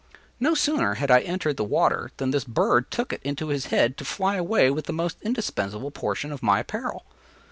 No sooner had I entered the water than this bird took it into its head to fly away with the most indispensable portion of my apparel.